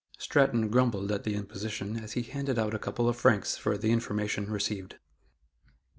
Stratton grumbled at the imposition as he handed out a couple of francs for the information received.